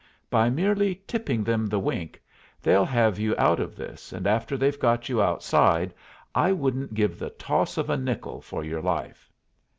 By merely tipping them the wink, they'll have you out of this, and after they've got you outside I wouldn't give the toss of a nickel for your life.